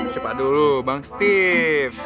siapa dulu bang stim